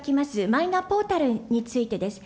マイナポータルについてです。